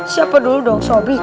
siapa dulu dong sobi